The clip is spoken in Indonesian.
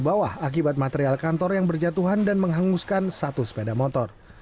bawah akibat material kantor yang berjatuhan dan menghanguskan satu sepeda motor